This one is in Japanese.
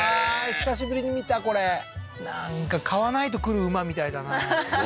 久しぶりに見たこれなんか買わないと来る馬みたいだなははははっ